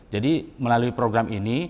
jadi melalui program ini